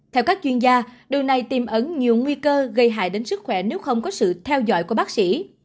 theo các chuyên gia điều này tìm ẩn nhiều nguy cơ gây hại đến sức khỏe nếu không có sự theo dõi của bác sĩ